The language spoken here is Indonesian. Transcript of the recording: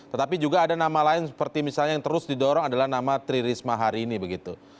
tetapi juga ada nama lain seperti misalnya yang terus didorong adalah nama tri risma hari ini begitu